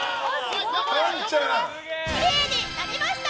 きれいになりました！